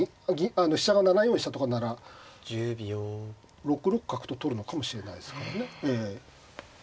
飛車が７四飛車とかなら６六角と取るのかもしれないですからね。